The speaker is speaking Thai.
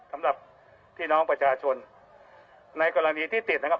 สำหรับพี่น้องประชาชนในกรณีที่ติดนะครับ